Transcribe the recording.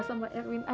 bisa bantu kita